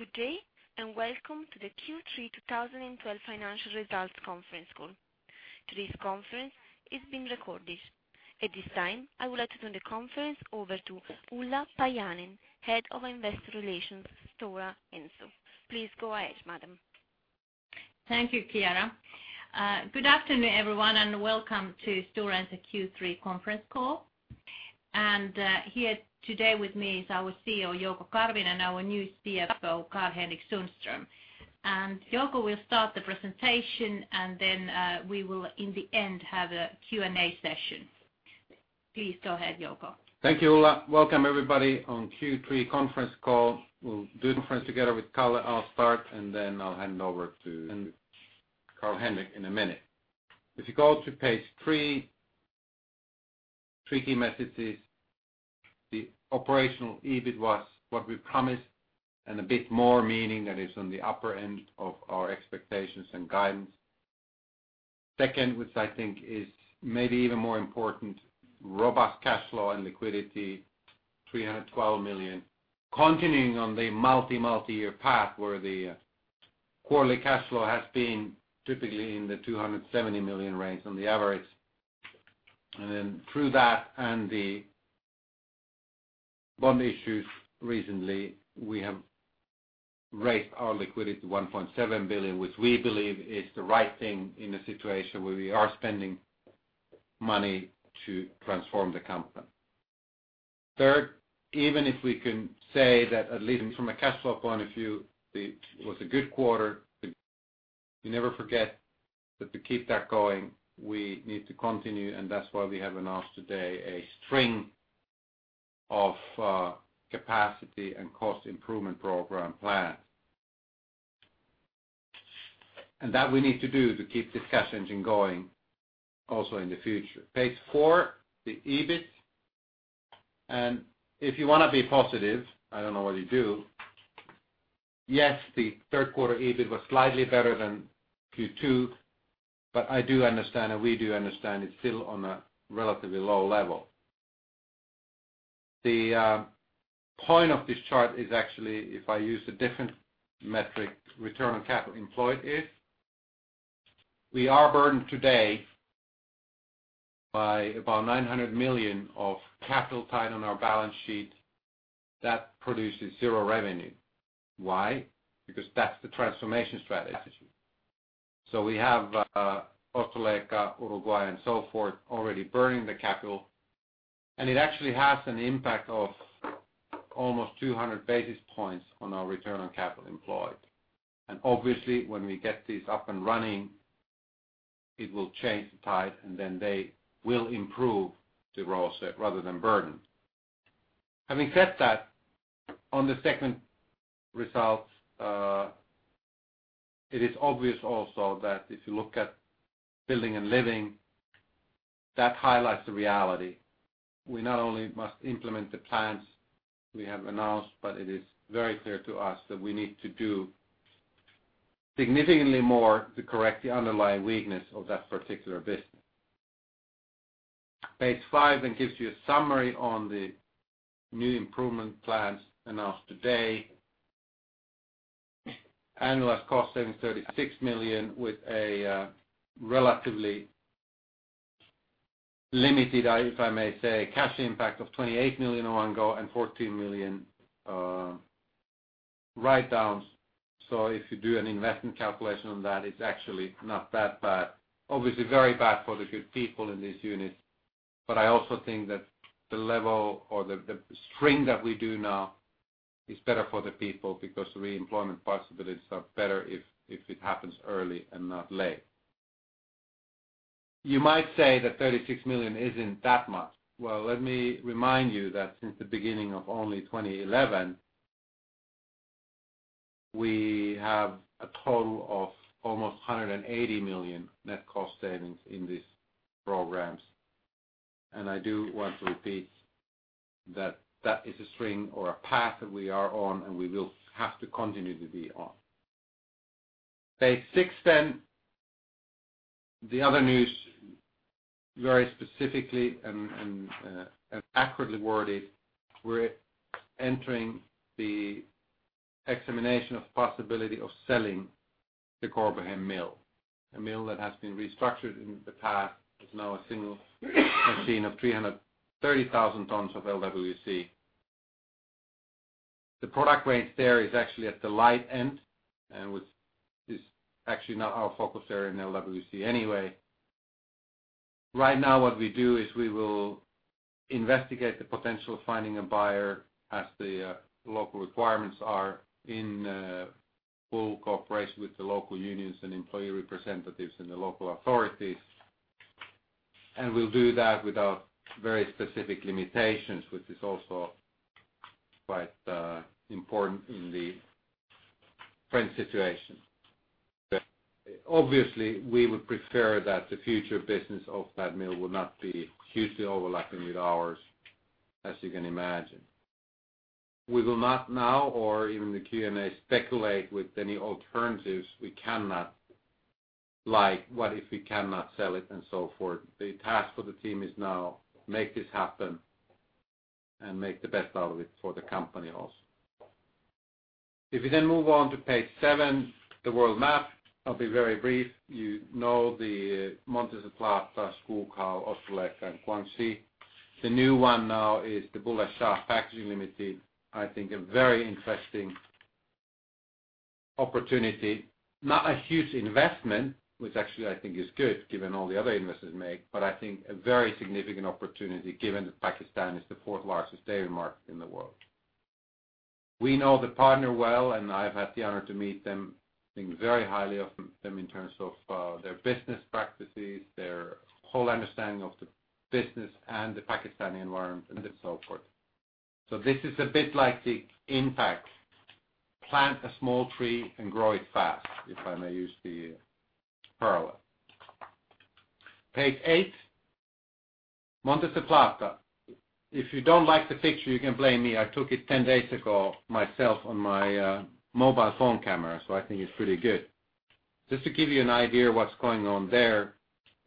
Good day, welcome to the Q3 2012 financial results conference call. Today's conference is being recorded. At this time, I would like to turn the conference over to Ulla Paajanen-Sainio, Head of Investor Relations, Stora Enso. Please go ahead, madam. Thank you, Kiara. Good afternoon, everyone, welcome to Stora Enso Q3 conference call. Here today with me is our CEO, Jouko Karvinen, and our new CFO, Karl-Henrik Sundström. Jouko will start the presentation, then we will, in the end, have a Q&A session. Please go ahead, Jouko. Thank you, Ulla. Welcome everybody on Q3 conference call. We'll do the conference together with Kalle. I'll start, then I'll hand over to Karl-Henrik in a minute. If you go to page three key messages. The operational EBIT was what we promised and a bit more, meaning that it's on the upper end of our expectations and guidance. Second, which I think is maybe even more important, robust cash flow and liquidity, 312 million. Continuing on the multi-year path where the quarterly cash flow has been typically in the 270 million range on the average. Then through that and the bond issues recently, we have raised our liquidity to 1.7 billion, which we believe is the right thing in a situation where we are spending money to transform the company. Third, even if we can say that at least from a cash flow point of view, it was a good quarter. You never forget that to keep that going, we need to continue, and that's why we have announced today a string of capacity and cost improvement program plans. That we need to do to keep this cash engine going also in the future. Page four, the EBIT. If you want to be positive, I don't know whether you do, yes, the third quarter EBIT was slightly better than Q2, I do understand and we do understand it's still on a relatively low level. The point of this chart is actually, if I use a different metric, return on capital employed is. We are burdened today by about 900 million of capital tied on our balance sheet that produces zero revenue. Why? Because that's the transformation strategy. We have Ostrołęka, Uruguay, and so forth already burning the capital, and it actually has an impact of almost 200 basis points on our return on capital employed. Obviously, when we get this up and running, it will change the tide, and then they will improve the ROCE rather than burden. Having said that, on the second results, it is obvious also that if you look at Building and Living, that highlights the reality. We not only must implement the plans we have announced, but it is very clear to us that we need to do significantly more to correct the underlying weakness of that particular business. Page five then gives you a summary on the new improvement plans announced today. Annualized cost savings 36 million with a relatively limited, if I may say, cash impact of 28 million on go and 14 million write-downs. If you do an investment calculation on that, it's actually not that bad. Obviously very bad for the good people in this unit, but I also think that the level or the string that we do now is better for the people because the re-employment possibilities are better if it happens early and not late. You might say that 36 million isn't that much. Well, let me remind you that since the beginning of only 2011, we have a total of almost 180 million net cost savings in these programs. I do want to repeat that that is a string or a path that we are on and we will have to continue to be on. Page six then. The other news, very specifically and accurately worded, we're entering the examination of possibility of selling the Corbehem mill. A mill that has been restructured in the past, is now a single machine of 330,000 tons of LWC. The product range there is actually at the light end and which is actually not our focus area in LWC anyway. Right now what we do is we will investigate the potential of finding a buyer as the local requirements are in full cooperation with the local unions and employee representatives and the local authorities. We'll do that without very specific limitations, which is also quite important in the current situation. Obviously, we would prefer that the future business of that mill would not be hugely overlapping with ours, as you can imagine. We will not now or in the Q&A speculate with any alternatives. We cannot. Like, what if we cannot sell it and so forth? The task for the team is now make this happen and make the best out of it for the company also. If you then move on to page seven, the world map, I'll be very brief. You know the Montes del Plata, Shucao, Ostrołęka, and Guangxi. The new one now is the Bulleh Shah Packaging Limited, I think a very interesting opportunity. Not a huge investment, which actually I think is good given all the other investments made, but I think a very significant opportunity given that Pakistan is the fourth largest dairy market in the world. We know the partner well, and I've had the honor to meet them. Think very highly of them in terms of their business practices, their whole understanding of the business and the Pakistani environment and so forth. This is a bit like the impact. Plant a small tree and grow it fast, if I may use the parallel. Page eight, Montes del Plata. If you don't like the picture, you can blame me. I took it 10 days ago myself on my mobile phone camera, so I think it's pretty good. Just to give you an idea what's going on there,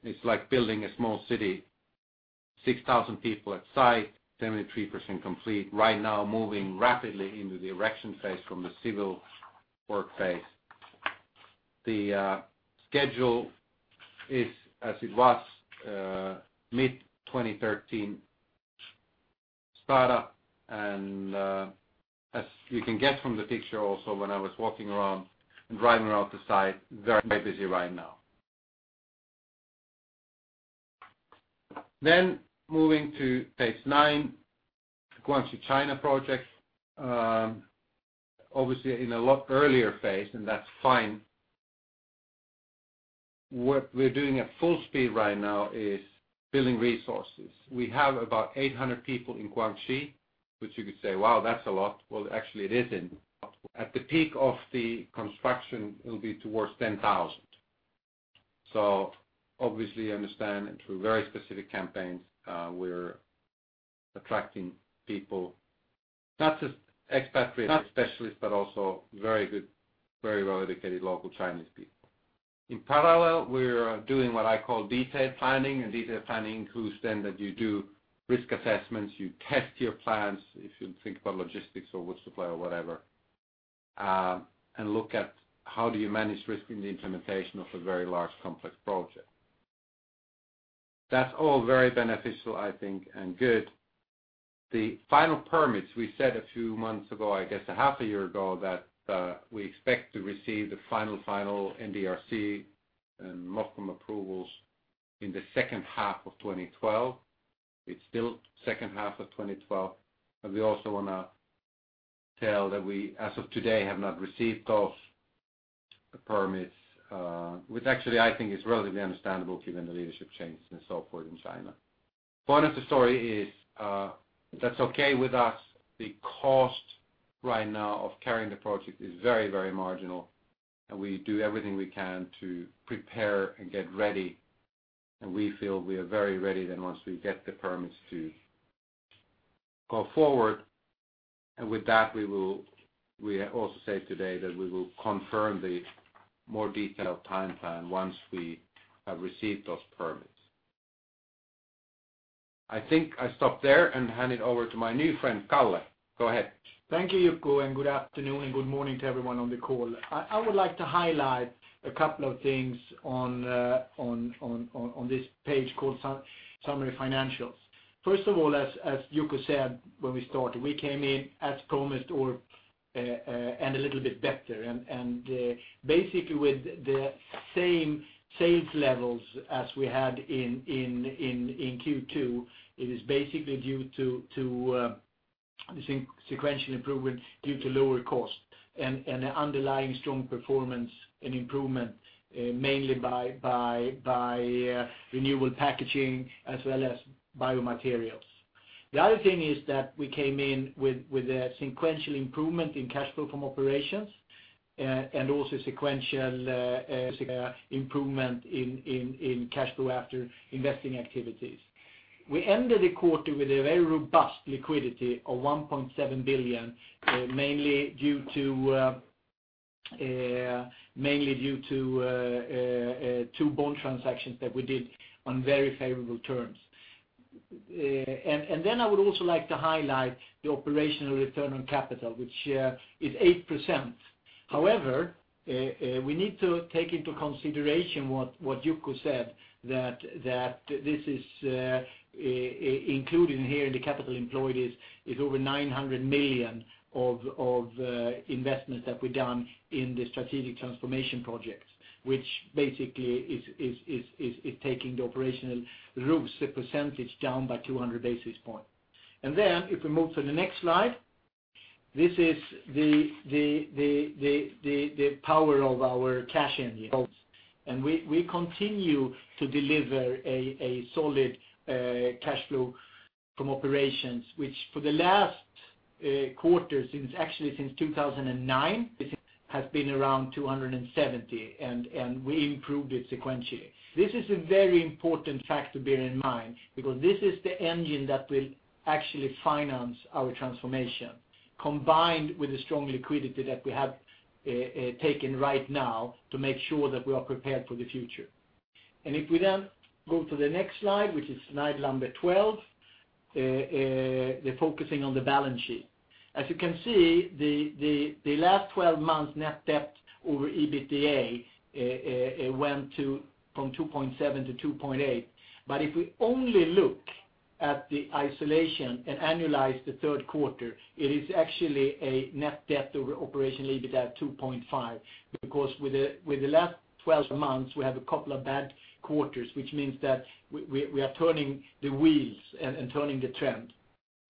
it's like building a small city, 6,000 people at site, 73% complete right now, moving rapidly into the erection phase from the civil work phase. The schedule is as it was, mid-2013 start-up, and as you can get from the picture also when I was walking around and driving around the site, very, very busy right now. Moving to page nine, Guangxi, China project. Obviously in a lot earlier phase, and that's fine. What we're doing at full speed right now is building resources. We have about 800 people in Guangxi, which you could say, "Wow, that's a lot." Well, actually, it isn't. At the peak of the construction, it'll be towards 10,000. Obviously you understand through very specific campaigns, we're attracting people, not just expatriates and specialists, but also very good, very well-educated local Chinese people. In parallel, we're doing what I call detailed planning, and detailed planning includes then that you do risk assessments, you test your plans, if you think about logistics or wood supply or whatever, and look at how do you manage risk in the implementation of a very large, complex project. That's all very beneficial, I think, and good. The final permits, we said a few months ago, I guess a half a year ago, that we expect to receive the final NDRC and MOFCOM approvals in the second half of 2012. It's still second half of 2012. We also want to tell that we, as of today, have not received those permits, which actually I think is relatively understandable given the leadership changes and so forth in China. Moral of the story is that's okay with us. The cost right now of carrying the project is very marginal, and we do everything we can to prepare and get ready, and we feel we are very ready then once we get the permits to go forward. With that, we also say today that we will confirm the more detailed timeline once we have received those permits. I think I stop there and hand it over to my new friend, Kalle. Go ahead. Thank you, Jouko. Good afternoon and good morning to everyone on the call. I would like to highlight a couple of things on this page called summary financials. First of all, as Jouko said when we started, we came in as promised and a little bit better. Basically with the same sales levels as we had in Q2, it is basically due to the sequential improvement due to lower cost and underlying strong performance and improvement, mainly by renewable packaging as well as biomaterials. The other thing is that we came in with a sequential improvement in cash flow from operations and also sequential improvement in cash flow after investing activities. We ended the quarter with a very robust liquidity of 1.7 billion, mainly due to two bond transactions that we did on very favorable terms. I would also like to highlight the operational return on capital, which is 8%. However, we need to take into consideration what Jouko said, that this is included in here in the capital employed is over 900 million of investments that we've done in the strategic transformation projects, which basically is taking the operational ROAS, the percentage down by 200 basis points. If we move to the next slide, this is the power of our cash engine. We continue to deliver a solid cash flow from operations, which for the last quarter, actually since 2009, has been around 270, and we improved it sequentially. This is a very important fact to bear in mind because this is the engine that will actually finance our transformation, combined with the strong liquidity that we have taken right now to make sure that we are prepared for the future. If we go to the next slide, which is slide 12, focusing on the balance sheet. As you can see, the last 12 months net debt over EBITDA went from 2.7-2.8. If we only look at the isolation and annualize the third quarter, it is actually a net debt over operational EBITDA of 2.5, because with the last 12 months, we have a couple of bad quarters, which means that we are turning the wheels and turning the trend.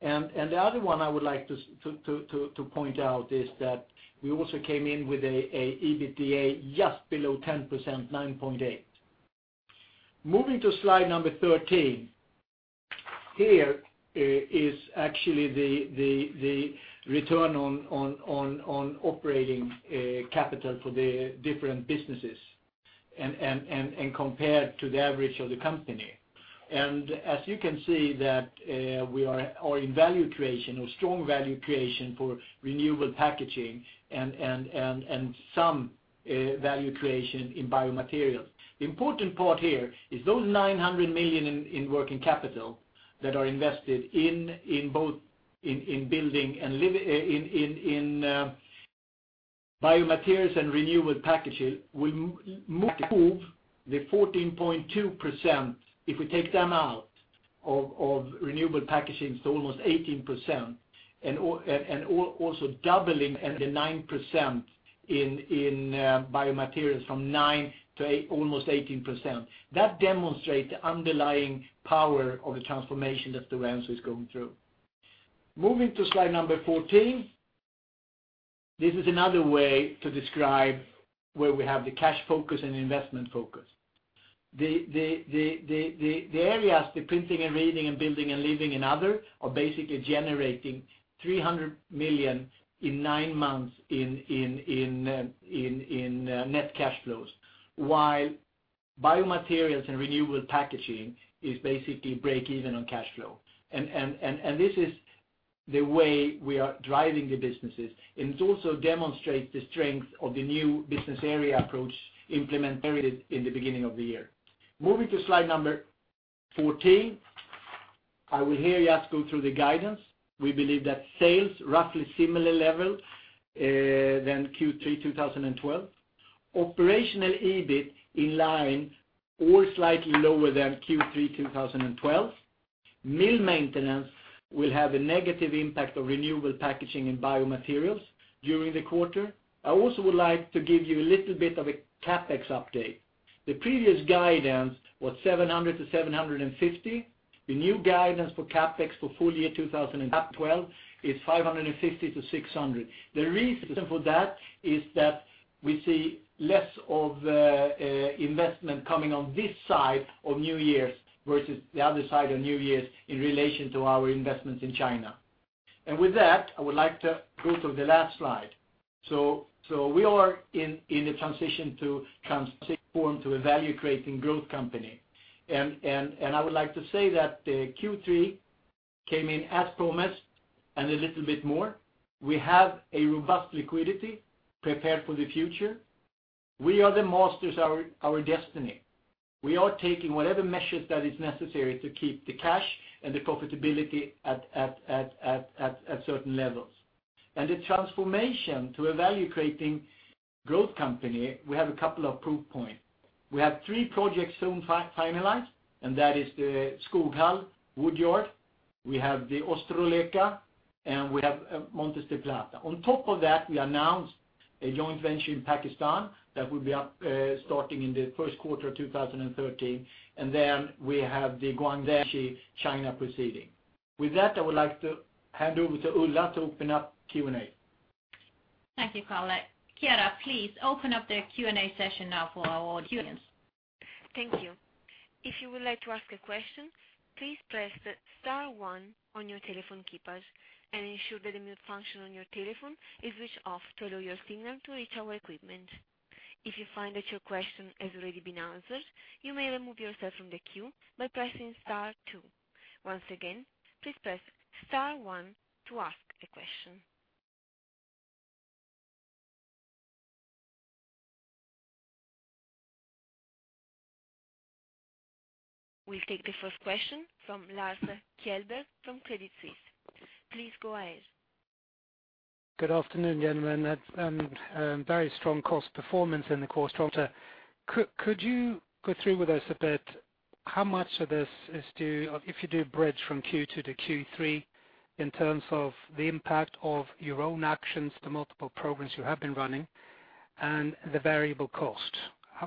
The other one I would like to point out is that we also came in with an EBITDA just below 10%, 9.8%. Moving to slide 13. Here is actually the return on operating capital for the different businesses and compared to the average of the company. As you can see that we are in value creation or strong value creation for renewable packaging and some value creation in biomaterials. The important part here is those 900 million in working capital that are invested in Building and in biomaterials and renewable packaging will move the 14.2%, if we take them out of renewable packaging, to almost 18%, and also doubling the 9% in biomaterials from 9% to almost 18%. That demonstrates the underlying power of the transformation that Stora Enso is going through. Moving to slide 14. This is another way to describe where we have the cash focus and investment focus. The areas, the Printing and Reading and Building and Living and other, are basically generating 300 million in nine months in net cash flows, while biomaterials and renewable packaging is basically break even on cash flow. This is the way we are driving the businesses, it also demonstrates the strength of the new business area approach implemented in the beginning of the year. Moving to slide 14. I will here just go through the guidance. We believe that sales roughly similar level than Q3 2012. Operational EBIT in line or slightly lower than Q3 2012. Mill maintenance will have a negative impact on renewable packaging and biomaterials during the quarter. I also would like to give you a little bit of a CapEx update. The previous guidance was 700-750. The new guidance for CapEx for full year 2012 is 550 to 600. The reason for that is that we see less of investment coming on this side of New Year's versus the other side of New Year's in relation to our investments in China. With that, I would like to go to the last slide. We are in a transition to transform to a value-creating growth company. I would like to say that Q3 came in as promised and a little bit more. We have a robust liquidity prepared for the future. We are the masters of our destiny. We are taking whatever measures that is necessary to keep the cash and the profitability at certain levels. The transformation to a value-creating growth company, we have a couple of proof points. We have three projects soon finalized, and that is the Skoghall Woodyard, we have the Ostrołęka, and we have Montes del Plata. On top of that, we announced a joint venture in Pakistan that will be up starting in the first quarter of 2013. Then we have the Guangxi, China proceeding. With that, I would like to hand over to Ulla to open up Q&A. Thank you, Kalle. Chiara, please open up the Q&A session now for our audience. Thank you. If you would like to ask a question, please press the star one on your telephone keypads and ensure that the mute function on your telephone is switched off to allow your signal to reach our equipment. If you find that your question has already been answered, you may remove yourself from the queue by pressing star two. Once again, please press star one to ask a question. We'll take the first question from Lars Kjellberg from Credit Suisse. Please go ahead. Good afternoon, gentlemen. Very strong cost performance in the quarter. Could you go through with us a bit how much of this is due, if you do bridge from Q2 to Q3, in terms of the impact of your own actions, the multiple programs you have been running, and the variable cost?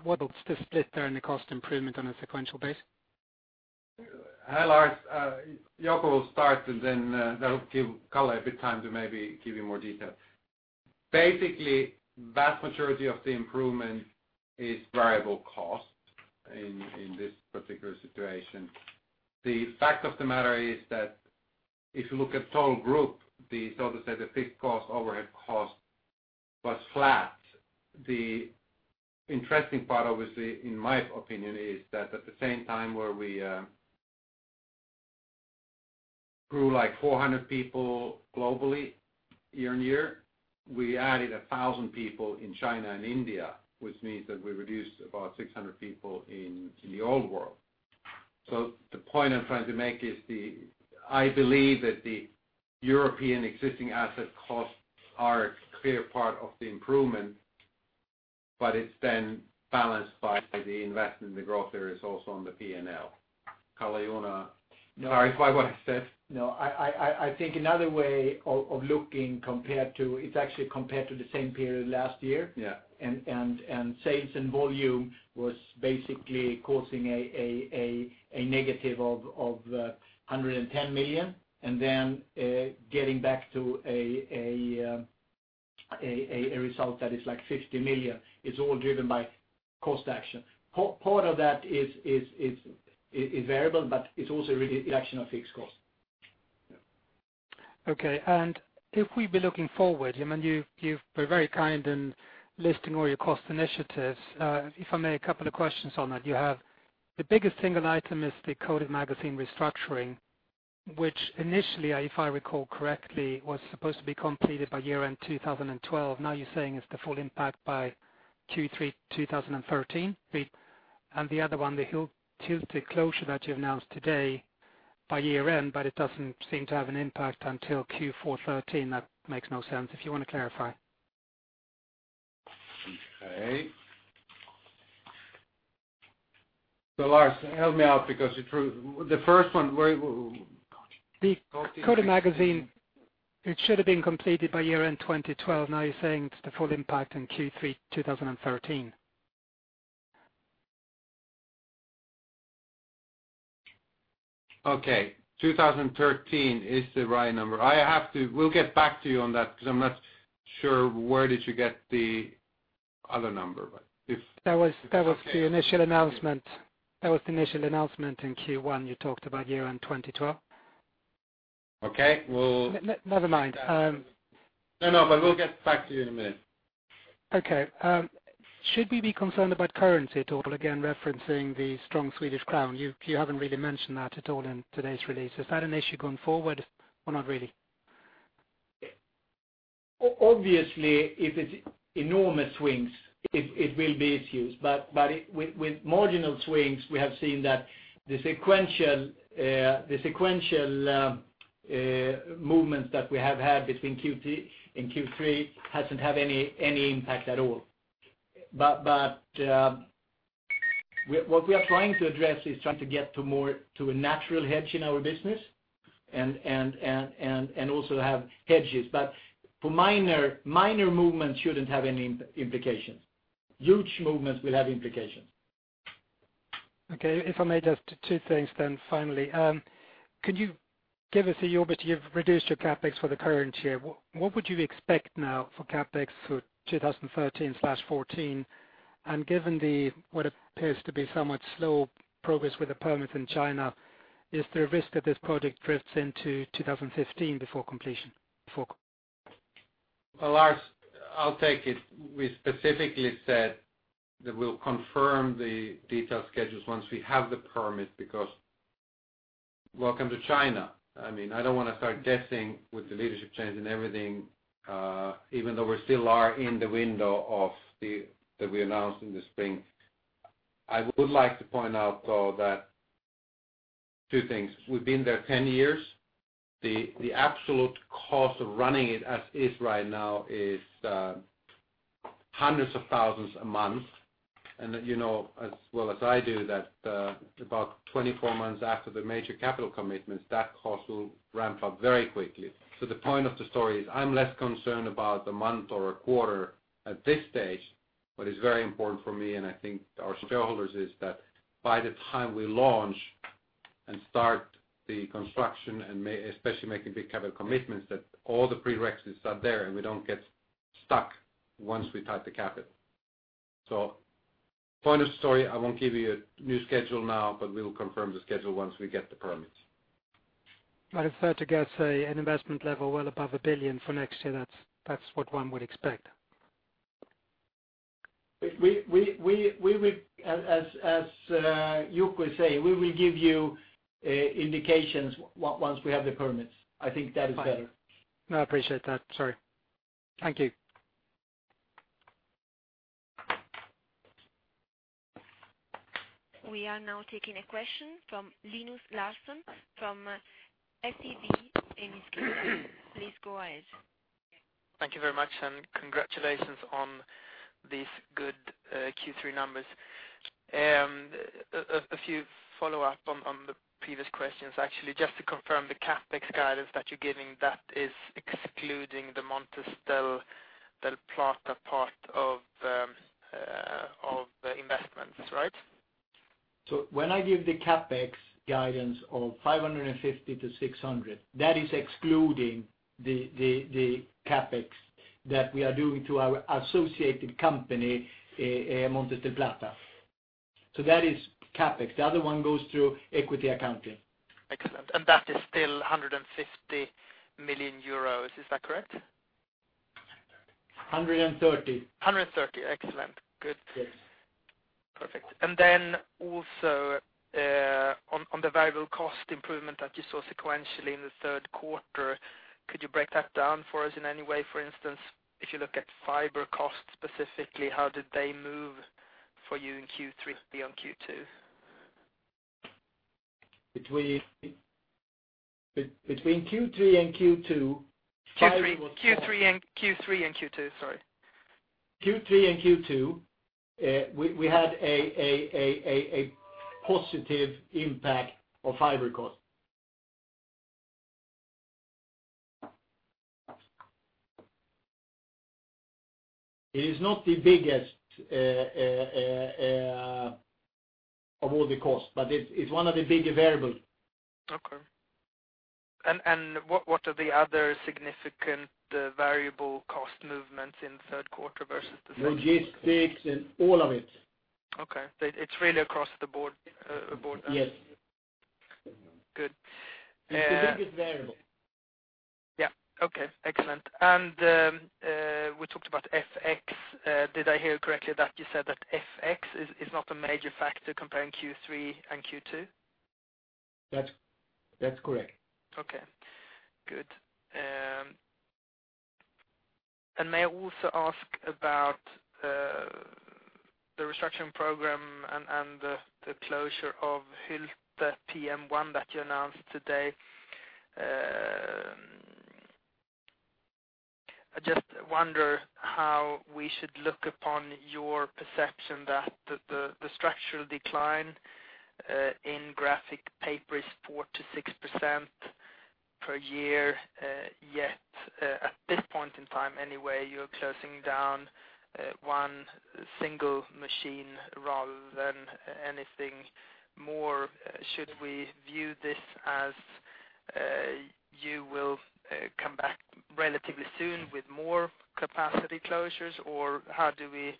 What's the split there in the cost improvement on a sequential base? Hi, Lars. Jouko will start and then that'll give Karl-Henrik a bit time to maybe give you more detail. Basically, vast majority of the improvement is variable cost in this particular situation. The fact of the matter is that if you look at total group, the fixed cost, overhead cost was flat. The interesting part obviously in my opinion is that at the same time where we Grew like 400 people globally year-on-year. We added 1,000 people in China and India, which means that we reduced about 600 people in the old world. The point I'm trying to make is, I believe that the European existing asset costs are a clear part of the improvement, but it's then balanced by the investment in the growth areas also on the P&L. Karl-Henrik, am I right what I said? I think another way of looking compared to, it's actually compared to the same period last year. Yeah. Sales and volume was basically causing a negative of 110 million, then getting back to a result that is like 50 million is all driven by cost action. Part of that is variable, but it's also really the action of fixed cost. Yeah. Okay. If we'd be looking forward, you've been very kind in listing all your cost initiatives. If I may, a couple of questions on that. You have the biggest single item is the Coated Magazine restructuring, which initially, if I recall correctly, was supposed to be completed by year-end 2012. Now you're saying it's the full impact by Q3 2013. The other one, the Hylte closure that you announced today by year-end, but it doesn't seem to have an impact until Q4 2013. That makes no sense. If you want to clarify. Okay. Lars, help me out because the first one, where The Coated Magazine, it should have been completed by year-end 2012. Now you're saying it's the full impact in Q3 2013. Okay. 2013 is the right number. We'll get back to you on that because I'm not sure where did you get the other number. That was the initial announcement. That was the initial announcement in Q1, you talked about year-end 2012. Okay. Never mind. No, we'll get back to you in a minute. Okay. Should we be concerned about currency at all? Referencing the strong Swedish crown. You haven't really mentioned that at all in today's release. Is that an issue going forward or not really? Obviously, if it's enormous swings, it will be issues, with marginal swings, we have seen that the sequential movements that we have had between Q2 and Q3 hasn't had any impact at all. What we are trying to address is trying to get to a natural hedge in our business, and also have hedges. Minor movements shouldn't have any implications. Huge movements will have implications. Okay. If I may, just two things then, finally. Could you give us a yield, you've reduced your CapEx for the current year. What would you expect now for CapEx for 2013/14? Given the, what appears to be somewhat slow progress with the permits in China, is there a risk that this project drifts into 2015 before completion? Lars, I'll take it. We specifically said that we'll confirm the detailed schedules once we have the permits. Welcome to China. I don't want to start guessing with the leadership change and everything, even though we still are in the window that we announced in the spring. I would like to point out, though, that two things. We've been there 10 years. The absolute cost of running it as is right now is hundreds of thousands EUR a month. You know as well as I do that about 24 months after the major capital commitments, that cost will ramp up very quickly. The point of the story is, I'm less concerned about a month or a quarter at this stage. What is very important for me, and I think our shareholders, is that by the time we launch and start the construction and especially making big capital commitments, that all the prerequisites are there, and we don't get stuck once we tie up the capital. Point of the story, I won't give you a new schedule now. We will confirm the schedule once we get the permits. I'd prefer to guess an investment level well above 1 billion for next year. That's what one would expect. As Jouko was saying, we will give you indications once we have the permits. I think that is better. No, I appreciate that, sorry. Thank you. We are now taking a question from Linus Larsson from SEB Enskilda. Please go ahead. Thank you very much, congratulations on these good Q3 numbers. A few follow-up on the previous questions, actually. Just to confirm the CapEx guidance that you're giving, that is excluding the Montes del Plata part of investments, right? When I give the CapEx guidance of 550-600, that is excluding the CapEx that we are doing to our associated company, Montes del Plata. That is CapEx. The other one goes through equity accounting. Excellent. That is still 150 million euros. Is that correct? 130. 130. Excellent. Good. Yes. Perfect. Also, on the variable cost improvement that you saw sequentially in the third quarter, could you break that down for us in any way? For instance, if you look at fiber costs specifically, how did they move for you in Q3 on Q2? Between Q3 and Q2, fiber. Q3 and Q2. Sorry. Q3 and Q2, we had a positive impact of fiber cost. It is not the biggest of all the costs, but it's one of the bigger variable. Okay. What are the other significant variable cost movements in third quarter versus the second? Logistics and all of it. Okay. Is really across the board then? Yes. Good. It's the biggest variable. Yeah. Okay, excellent. We talked about FX. Did I hear correctly that you said that FX is not a major factor comparing Q3 and Q2? That's correct. May I also ask about the restructuring program and the closure of Hylte PM1 that you announced today? I just wonder how we should look upon your perception that the structural decline in graphic paper is 4%-6% per year. At this point in time anyway, you're closing down one single machine rather than anything more. Should we view this as you will come back relatively soon with more capacity closures? How do we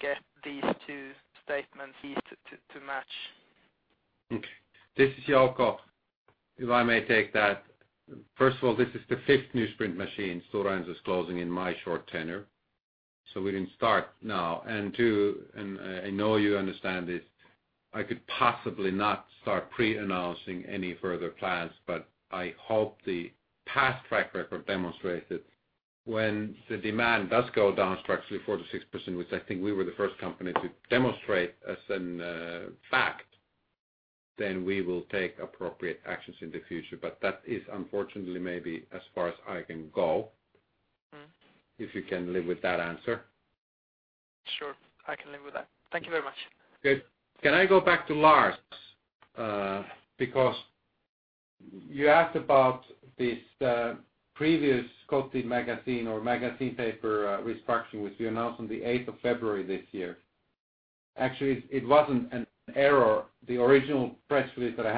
get these two statements to match? This is Jouko. If I may take that. First of all, this is the fifth newsprint machine Stora Enso's closing in my short tenure. We didn't start now. Two, I know you understand this, I could possibly not start pre-announcing any further plans, but I hope the past track record demonstrates it. When the demand does go down structurally 4%-6%, which I think we were the first company to demonstrate as a fact, then we will take appropriate actions in the future. That is unfortunately maybe as far as I can go. If you can live with that answer. Sure. I can live with that. Thank you very much. Can I go back to Lars? You asked about this previous Scandi magazine or magazine paper restructuring, which we announced on the 8th of February this year. Actually, it wasn't an error. The original press release that I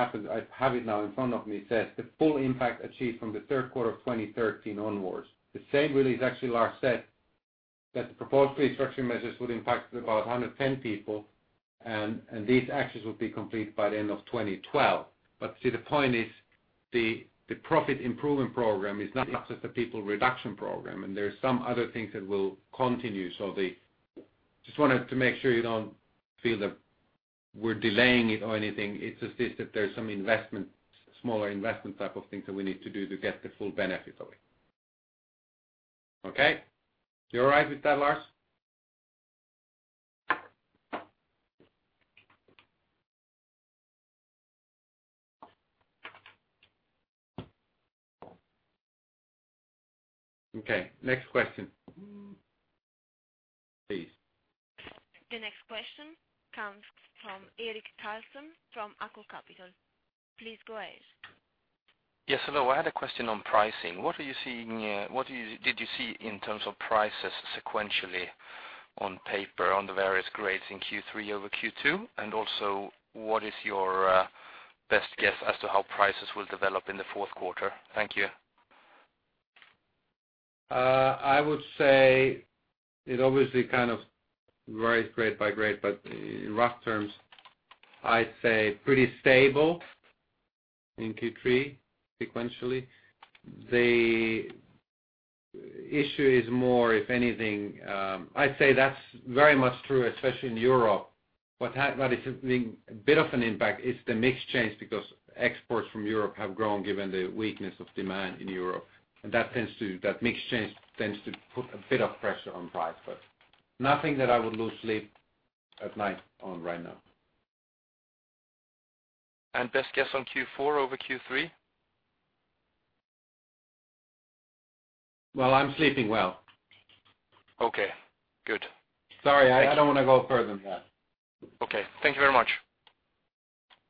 have it now in front of me, says, "The full impact achieved from the third quarter of 2013 onwards." The same release actually, Lars said, that the proposed restructuring measures would impact about 110 people and these actions would be complete by the end of 2012. See, the point is, the profit improvement program is not just a people reduction program, and there are some other things that will continue. Just wanted to make sure you don't feel that we're delaying it or anything. It's just that there's some smaller investment type of things that we need to do to get the full benefit of it. Okay? You all right with that, Lars? Okay, next question. Please. The next question comes from Erik Karlsson from AKO Capital. Please go ahead. Yes, hello. I had a question on pricing. What did you see in terms of prices sequentially on paper, on the various grades in Q3 over Q2? Also, what is your best guess as to how prices will develop in the fourth quarter? Thank you. I would say it obviously varies grade by grade, but in rough terms, I'd say pretty stable in Q3 sequentially. The issue is more, if anything, I'd say that's very much true, especially in Europe. What is having a bit of an impact is the mix change because exports from Europe have grown given the weakness of demand in Europe, and that mix change tends to put a bit of pressure on price, but nothing that I would lose sleep at night on right now. Best guess on Q4 over Q3? Well, I'm sleeping well. Okay, good. Sorry, I don't want to go further than that. Okay. Thank you very much.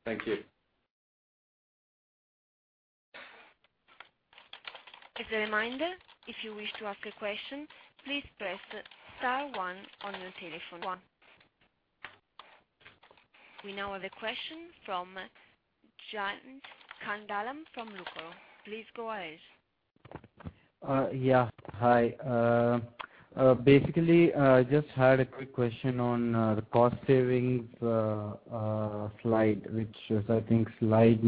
Thank you. As a reminder, if you wish to ask a question, please press star one on your telephone. One. We now have a question from Jay Kandalam from Lucro. Please go ahead. Yeah. Hi. Basically, just had a quick question on the cost savings slide, which is, I think, slide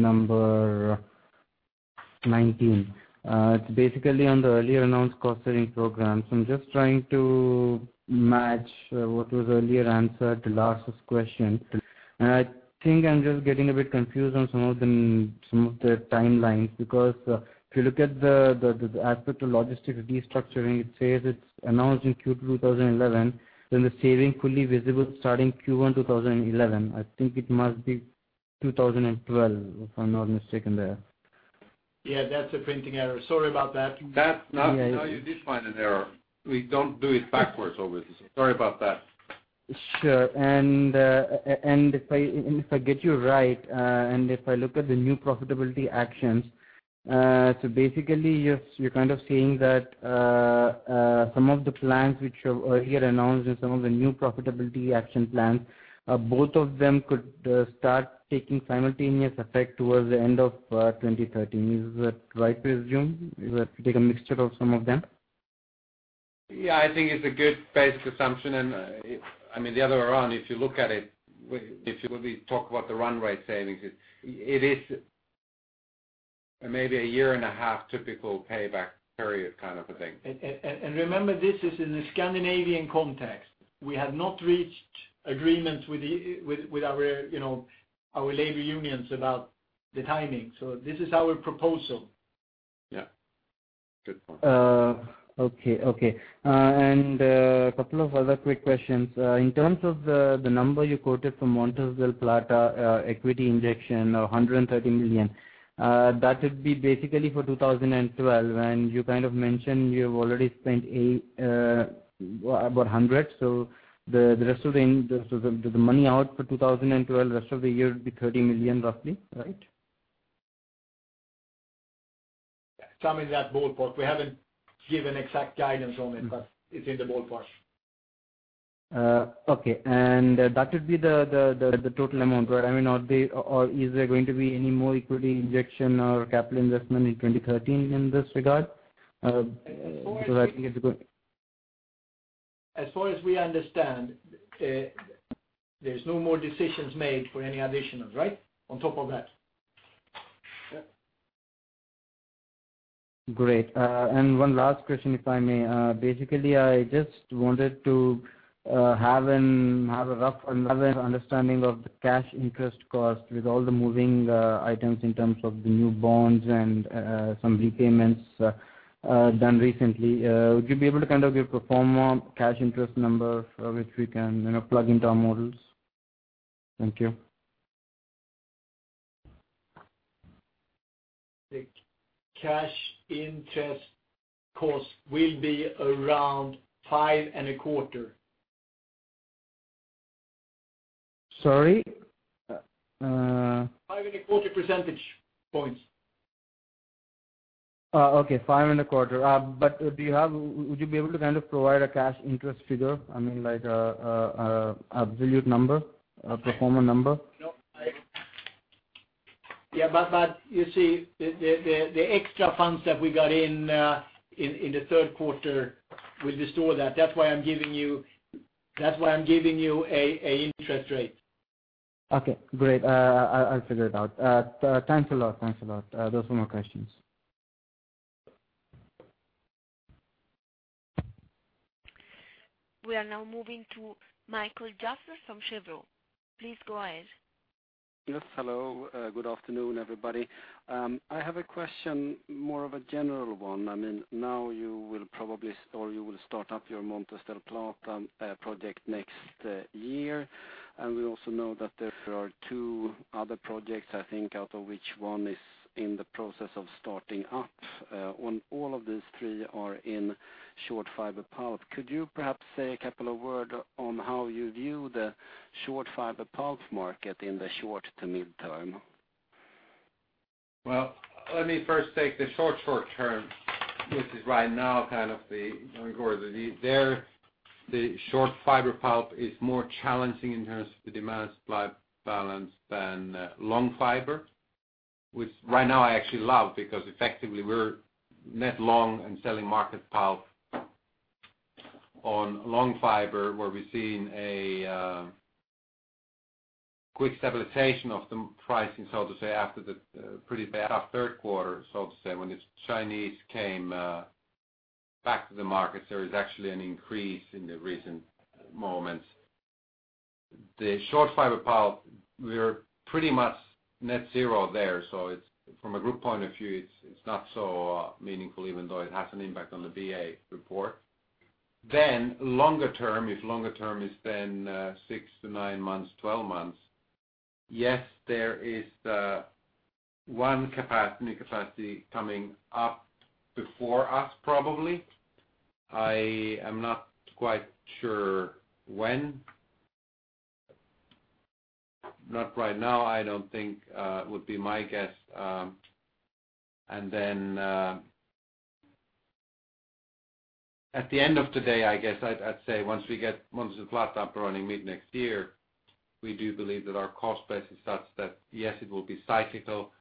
19. It's basically on the earlier announced cost-saving programs. I'm just trying to match what was earlier answered to Lars' question. I think I'm just getting a bit confused on some of the timelines, because if you look at the aspect of logistics restructuring, it says it's announced in Q2 2011, then the saving fully visible starting Q1 2011. I think it must be 2012, if I'm not mistaken there. Yeah, that's a printing error. Sorry about that. You did find an error. We don't do it backwards obviously. Sorry about that. Sure. If I get you right, and if I look at the new profitability actions, basically you're kind of saying that some of the plans which were earlier announced and some of the new profitability action plans, both of them could start taking simultaneous effect towards the end of 2013. Is that right to assume? Is that to take a mixture of some of them? Yeah, I think it's a good base assumption, I mean, the other way around, if you look at it, if we talk about the run rate savings, it is maybe a year and a half typical payback period kind of a thing. Remember, this is in a Scandinavian context. We have not reached agreements with our labor unions about the timing. This is our proposal. Yeah. Good point. Okay. A couple of other quick questions. In terms of the number you quoted from Montes del Plata equity injection of 130 million, that would be basically for 2012, you kind of mentioned you have already spent about 100 million. The money out for 2012, rest of the year would be 30 million roughly, right? Some in that ballpark. We haven't given exact guidance on it, but it's in the ballpark. Okay. That would be the total amount, right? I mean, is there going to be any more equity injection or capital investment in 2013 in this regard? Because I think it's a good- As far as we understand, there's no more decisions made for any additional, right? On top of that. Yeah. Great. One last question, if I may. Basically, I just wanted to have a rough understanding of the cash interest cost with all the moving items in terms of the new bonds and some repayments done recently. Would you be able to kind of give pro forma cash interest number which we can plug into our models? Thank you. The cash interest cost will be around five and a quarter. Sorry? Five and a quarter percentage points. Okay. Five and a quarter. Would you be able to kind of provide a cash interest figure? I mean, like absolute number, a pro forma number? No. Yeah, you see, the extra funds that we got in the third quarter will distort that. That's why I'm giving you an interest rate. Okay, great. I'll figure it out. Thanks a lot. Those were my questions. We are now moving to Mikael Jansson from Cheuvreux. Please go ahead. Yes. Hello. Good afternoon, everybody. I have a question, more of a general one. I mean, now you will start up your Montes del Plata project next year. We also know that there are two other projects, I think out of which one is in the process of starting up. When all of these three are in short fiber pulp, could you perhaps say a couple of word on how you view the short fiber pulp market in the short to midterm? Well, let me first take the short term, which is right now kind of the majority. There, the short fiber pulp is more challenging in terms of the demand supply balance than long fiber, which right now I actually love because effectively we're net long and selling market pulp on long fiber where we're seeing a quick stabilization of the pricing, so to say, after the pretty bad third quarter, so to say. When the Chinese came back to the market, there is actually an increase in the recent moments. The short fiber pulp, we are pretty much net zero there. From a group point of view, it's not so meaningful even though it has an impact on the BA report. Longer term, if longer term is then six to nine months, 12 months, yes, there is one new capacity coming up before us probably. I am not quite sure when. Not right now, I don't think, would be my guess. At the end of the day, I guess I'd say once we get Montes del Plata up and running mid next year, we do believe that our cost base is such that yes it will be cyclical,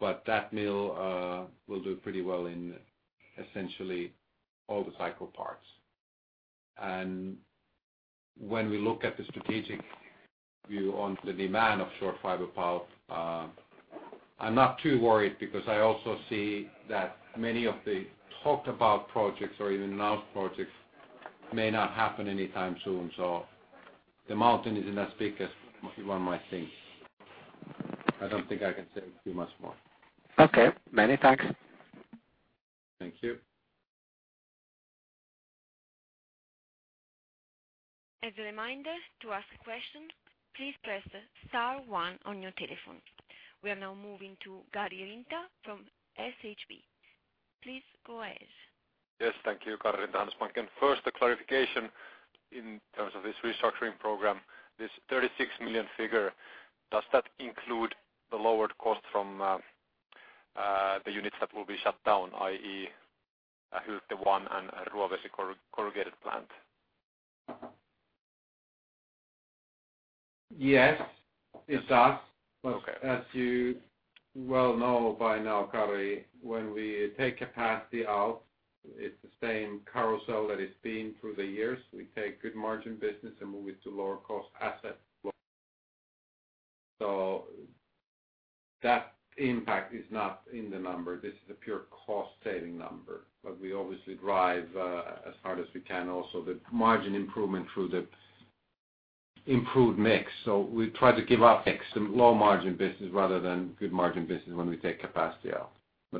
but that mill will do pretty well in essentially all the cycle parts. When we look at the strategic view on the demand of short fiber pulp, I'm not too worried because I also see that many of the talked about projects or even announced projects may not happen anytime soon. The mountain isn't as big as one might think. I don't think I can say too much more. Okay, many thanks. Thank you. As a reminder to ask a question, please press star one on your telephone. We are now moving to Kari Rinta from SHB. Please go ahead. Yes, thank you. Kari Rinta, Handelsbanken. First, the clarification in terms of this restructuring program. This 36 million figure, does that include the lowered cost from the units that will be shut down, i.e., Hylte 1 and Ruovesi Corrugated plant? Yes, it does. Okay. As you well know by now, Kari, when we take capacity out, it's the same carousel that it's been through the years. We take good margin business and move it to lower cost assets. That impact is not in the number. This is a pure cost saving number. We obviously drive as hard as we can also the margin improvement through the improved mix. We try to give up some low margin business rather than good margin business when we take capacity out.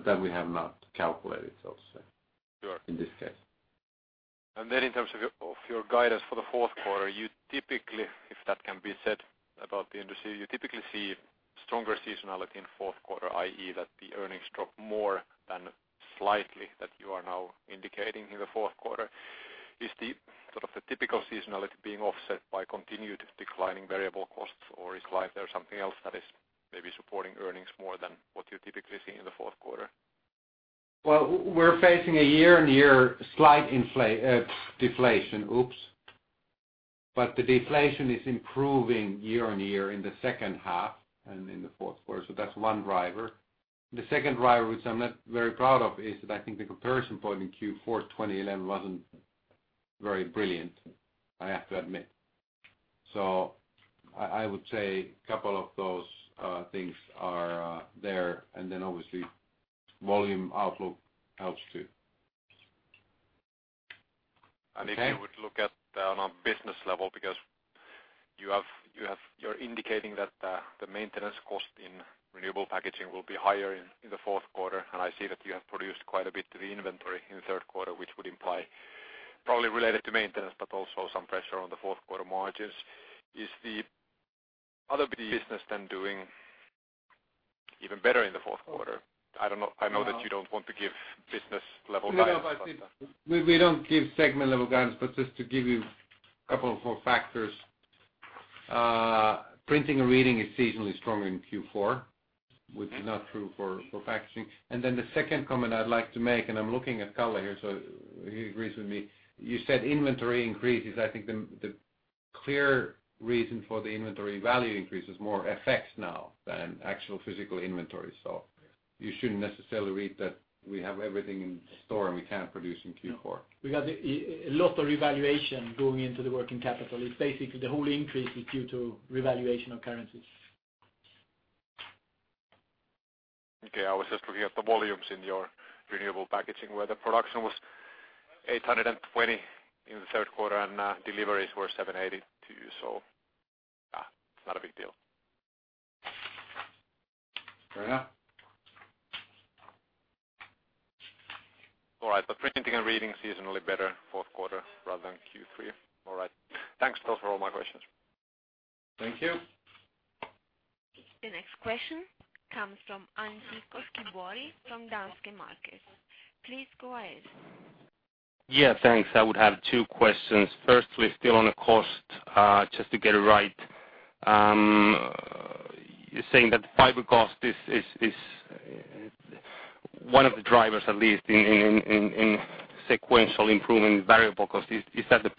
That we have not calculated, so to say. Sure in this case. In terms of your guidance for the fourth quarter, you typically, if that can be said about the industry, you typically see stronger seasonality in fourth quarter, i.e., that the earnings drop more than slightly that you are now indicating in the fourth quarter. Is the sort of the typical seasonality being offset by continued declining variable costs or is there something else that is maybe supporting earnings more than what you typically see in the fourth quarter? Well, we're facing a year-on-year slight deflation. Oops. The deflation is improving year-on-year in the second half and in the fourth quarter, so that's one driver. The second driver, which I'm not very proud of, is that I think the comparison point in Q4 2011 wasn't very brilliant, I have to admit. I would say a couple of those things are there, and then obviously volume outlook helps too. If you would look at on a business level, because you're indicating that the maintenance cost in renewable packaging will be higher in the fourth quarter, and I see that you have produced quite a bit to the inventory in the third quarter, which would imply probably related to maintenance but also some pressure on the fourth quarter margins. Is the other business then doing even better in the fourth quarter? I know that you don't want to give business level guidance. We don't give segment level guidance, but just to give you a couple of more factors. Printing and Reading is seasonally stronger in Q4, which is not true for packaging. The second comment I'd like to make, and I'm looking at Kalle here, so he agrees with me. You said inventory increases. I think the clear reason for the inventory value increase is more effects now than actual physical inventory. You shouldn't necessarily read that we have everything in store and we can't produce in Q4. We got a lot of revaluation going into the working capital. It's basically the whole increase is due to revaluation of currencies. Okay, I was just looking at the volumes in your renewable packaging where the production was 820 in the third quarter, and deliveries were 780 to you, so it's not a big deal. Fair enough. All right, Printing and Reading seasonally better fourth quarter rather than Q3. All right. Thanks. Those were all my questions. Thank you. The next question comes from Antti Koskivuori from Danske Markets. Please go ahead. Thanks. I would have 2 questions. Firstly, still on the cost, just to get it right. You're saying that the fiber cost is 1 of the drivers, at least, in sequential improvement in variable cost. Is that the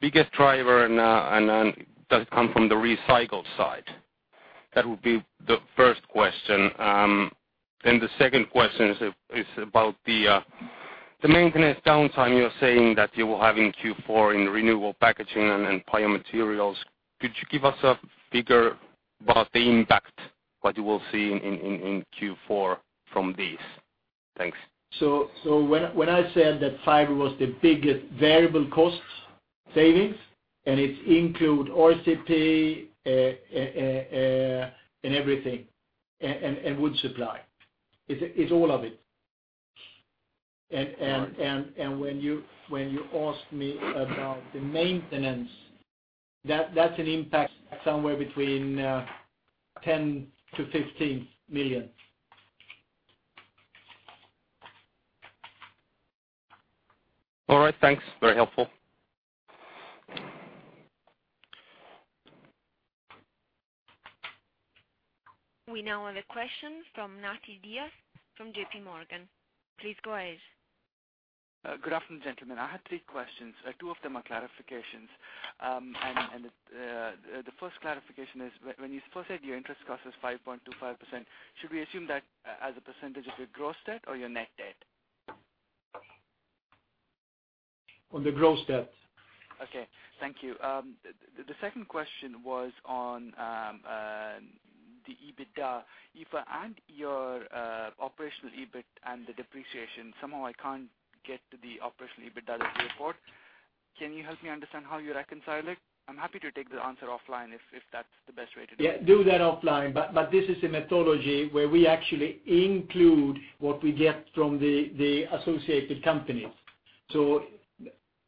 biggest driver, and does it come from the recycled side? That would be the first question. The second question is about the maintenance downtime you're saying that you will have in Q4 in renewable packaging and biomaterials. Could you give us a figure about the impact that you will see in Q4 from these? Thanks. When I said that fiber was the biggest variable cost savings, and it include RCP and everything, and wood supply. It's all of it. When you asked me about the maintenance, that's an impact somewhere between 10 million-15 million. All right, thanks. Very helpful. We now have a question from Nati Diaz from JP Morgan. Please go ahead. Good afternoon, gentlemen. I had three questions. Two of them are clarifications. The first clarification is when you first said your interest cost is 5.25%, should we assume that as a percentage of your gross debt or your net debt? On the gross debt. Okay. Thank you. The second question was on the EBITDA. If I add your operational EBIT and the depreciation, somehow I can't get to the operational EBITDA of the report. Can you help me understand how you reconcile it? I'm happy to take the answer offline if that's the best way to do it. Yeah, do that offline. This is a methodology where we actually include what we get from the associated companies.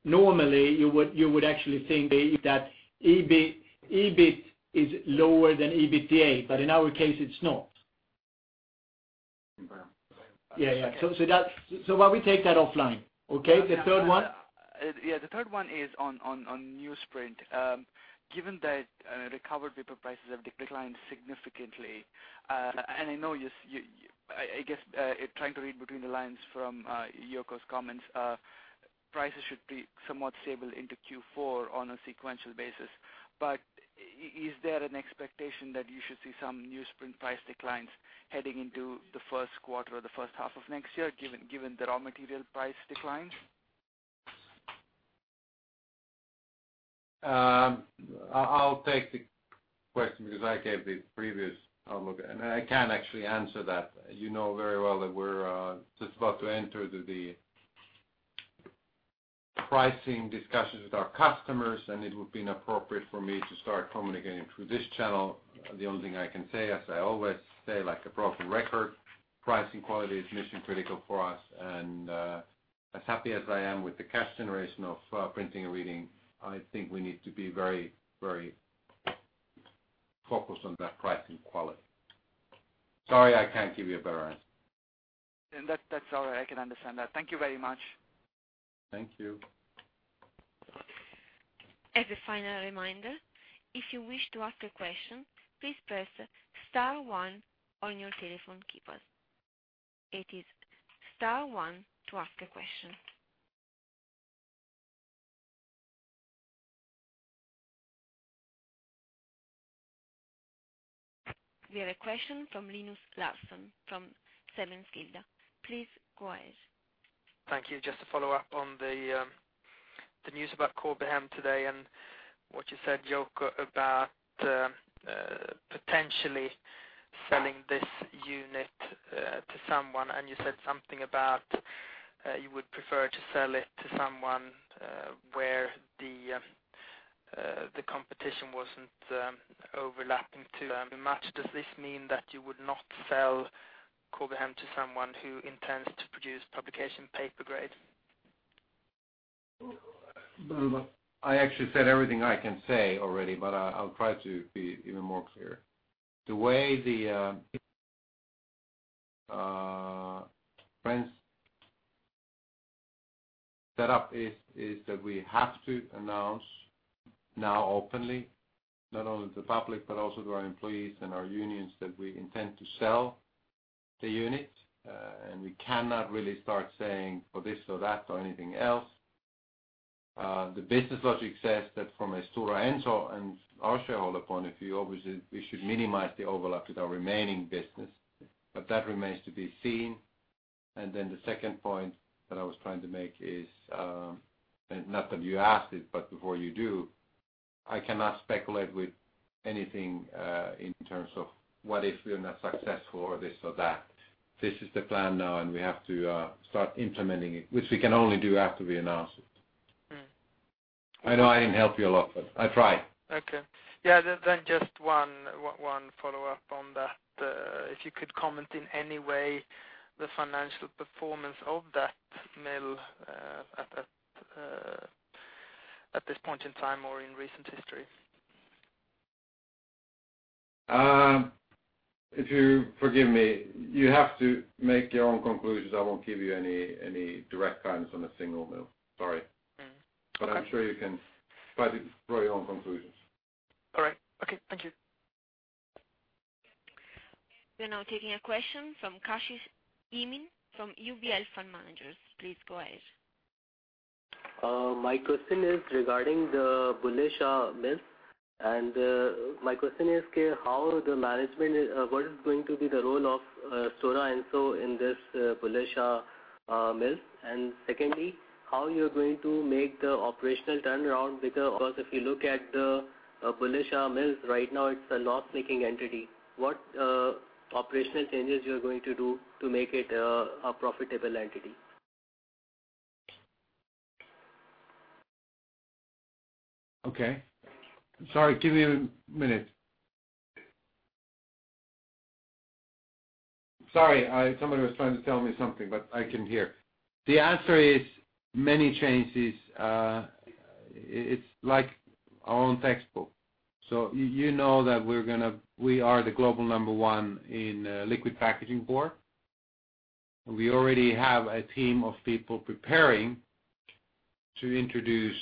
Normally you would actually think that EBIT is lower than EBITDA, but in our case, it's not. Wow. Okay. Yeah. Why we take that offline. Okay, the third one? Yeah. The third one is on newsprint. Given that recovered paper prices have declined significantly, I guess, trying to read between the lines from Jouko's comments, prices should be somewhat stable into Q4 on a sequential basis. But is there an expectation that you should see some newsprint price declines heading into the first quarter or the first half of next year, given the raw material price declines? I'll take the question because I gave the previous outlook, and I can't actually answer that. You know very well that we're just about to enter the pricing discussions with our customers, and it would be inappropriate for me to start communicating through this channel. The only thing I can say, as I always say, like a broken record, pricing quality is mission-critical for us and as happy as I am with the cash generation of Printing and Reading, I think we need to be very focused on that pricing quality. Sorry, I can't give you a better answer. That's all right. I can understand that. Thank you very much. Thank you. As a final reminder, if you wish to ask a question, please press star one on your telephone keypad. It is star one to ask a question. We have a question from Linus Larsson from SEB Enskilda. Please go ahead. Thank you. Just to follow up on the news about Corbehem today and what you said, Jouko, about potentially selling this unit to someone, and you said something about you would prefer to sell it to someone where the competition wasn't overlapping too much. Does this mean that you would not sell Corbehem to someone who intends to produce publication paper grade? I actually said everything I can say already, but I'll try to be even more clear. The way the set up is that we have to announce now openly, not only to the public but also to our employees and our unions that we intend to sell the unit. We cannot really start saying for this or that or anything else. The business logic says that from a Stora Enso and our shareholder point of view, obviously, we should minimize the overlap with our remaining business. That remains to be seen. Then the second point that I was trying to make is, not that you asked it, but before you do, I cannot speculate with anything in terms of what if we are not successful or this or that. This is the plan now, we have to start implementing it, which we can only do after we announce it. I know I didn't help you a lot, I tried. Okay. Yeah. Just one follow-up on that. If you could comment in any way the financial performance of that mill at this point in time or in recent history. If you forgive me, you have to make your own conclusions. I won't give you any direct guidance on a single mill. Sorry. Okay. I'm sure you can try to draw your own conclusions. All right. Okay. Thank you. We are now taking a question from Kashish Imen from UBL Fund Managers. Please go ahead. My question is regarding the Bulleh Shah mill, my question is what is going to be the role of Stora Enso in this Bulleh Shah mill? Secondly, how you're going to make the operational turnaround, because if you look at the Bulleh Shah mill, right now it's a loss-making entity. What operational changes you are going to do to make it a profitable entity? Sorry, give me a minute. Sorry, somebody was trying to tell me something, but I can hear. The answer is many changes. It's like our own textbook. You know that we are the global number one in liquid packaging board. We already have a team of people preparing to introduce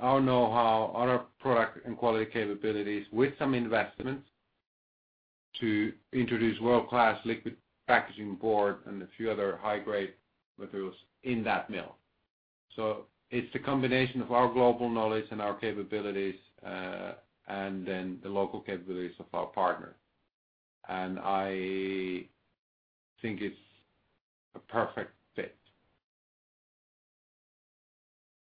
our knowhow, our product and quality capabilities with some investments to introduce world-class liquid packaging board and a few other high-grade materials in that mill. It's the combination of our global knowledge and our capabilities, and then the local capabilities of our partner. I think it's a perfect fit.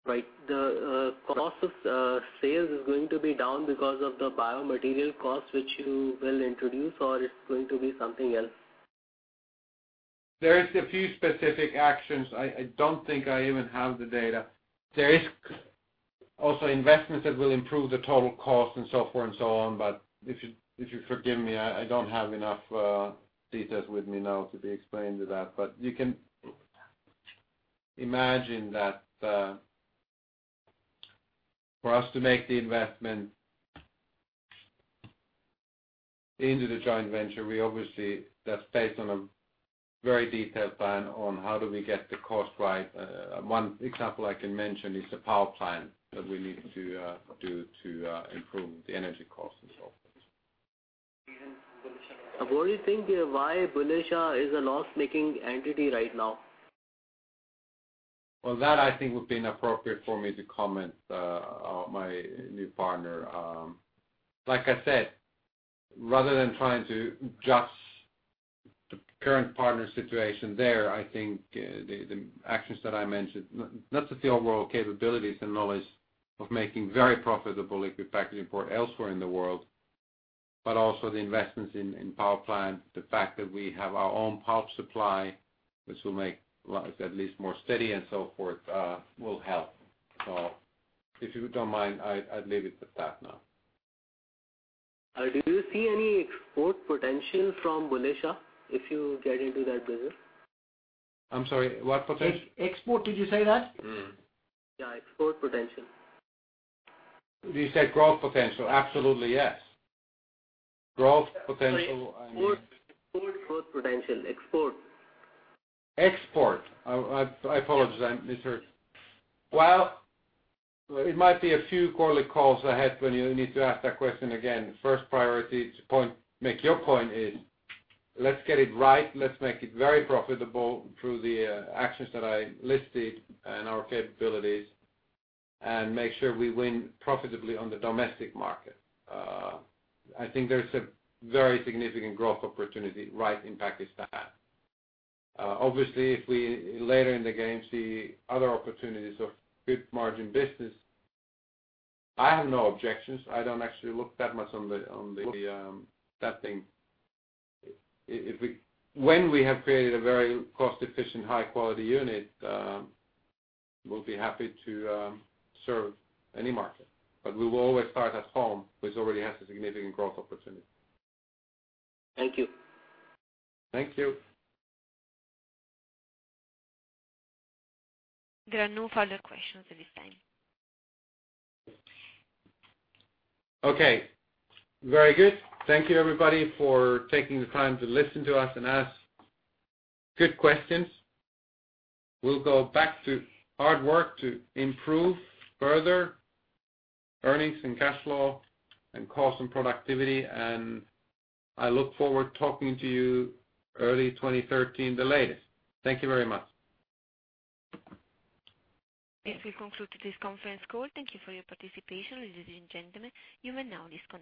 Right. The cost of sales is going to be down because of the biomaterial cost, which you will introduce, or it's going to be something else? There is a few specific actions. I don't think I even have the data. There is also investments that will improve the total cost and so forth and so on. If you forgive me, I don't have enough details with me now to be explaining to that. You can imagine that for us to make the investment into the joint venture, That's based on a very detailed plan on how do we get the cost right. One example I can mention is the power plant that we need to do to improve the energy cost and so forth. Even Bulleh Shah. What do you think why Bulleh Shah is a loss-making entity right now? Well, that I think would be inappropriate for me to comment on my new partner. Like I said, rather than trying to judge the current partner situation there, I think the actions that I mentioned, not just the overall capabilities and knowledge of making very profitable liquid packaging board elsewhere in the world, but also the investments in power plant. The fact that we have our own pulp supply, which will make lives at least more steady and so forth, will help. If you don't mind, I'd leave it at that now. Do you see any export potential from Bulleh Shah if you get into that business? I'm sorry, what potential? Export, did you say that? Yeah, export potential. You said growth potential? Absolutely, yes. Growth potential Sorry, export potential. Export. Export. I apologize, I misheard. Well, it might be a few quarterly calls ahead when you need to ask that question again. First priority to make your point is, let's get it right, let's make it very profitable through the actions that I listed and our capabilities, and make sure we win profitably on the domestic market. I think there's a very significant growth opportunity right in Pakistan. Obviously, if we later in the game see other opportunities of good margin business, I have no objections. I don't actually look that much on that thing. When we have created a very cost-efficient, high-quality unit, we'll be happy to serve any market, but we will always start at home, which already has a significant growth opportunity. Thank you. Thank you. There are no further questions at this time. Okay, very good. Thank you, everybody, for taking the time to listen to us and ask good questions. We will go back to hard work to improve further earnings and cash flow and cost and productivity, and I look forward to talking to you early 2013 the latest. Thank you very much. This will conclude this conference call. Thank you for your participation. Ladies and gentlemen, you may now disconnect.